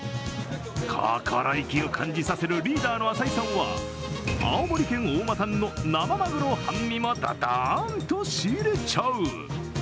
心意気を感じさせるリーダーの浅井さんは青森県大間産の生まぐろ半身もどどーんと仕入れちゃう。